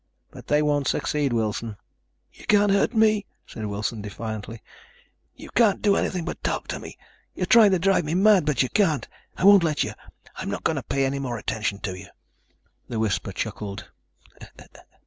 But they won't succeed, Wilson." "You can't hurt me," said Wilson defiantly. "You can't do anything but talk to me. You're trying to drive me mad, but you can't. I won't let you. I'm not going to pay any more attention to you." The whisper chuckled.